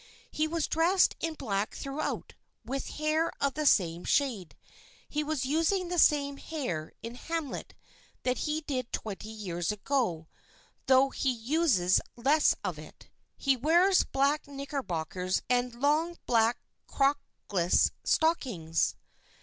He was dressed in black throughout, with hair of the same shade. He is using the same hair in "Hamlet" that he did twenty years ago, though he uses less of it. He wears black knickerbockers and long, black, crockless stockings.